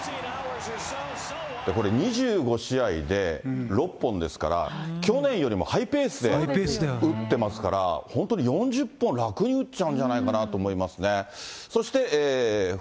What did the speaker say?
これ２５試合で、６本ですから、去年よりもハイペースで打ってますから、本当に４０本、楽に打っちゃうんじゃないかなと思いますね。